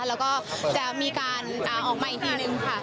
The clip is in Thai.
แล้วก็จะมีการออกมาอีกทีนึงค่ะ